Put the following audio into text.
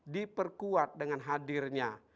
diperkuat dengan hadirnya